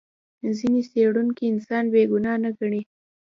ځینې څېړونکي انسان بې ګناه نه ګڼي.